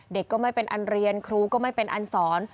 เด็กก็ไม่เป็นอันเรียนครูก็ไม่เป็นอันสอน